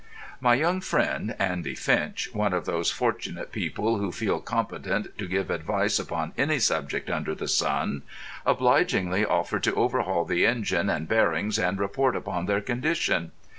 My young friend, Andy Finch—one of those fortunate people who feel competent to give advice upon any subject under the sun—obligingly offered to overhaul the engine and bearings and report upon their condition.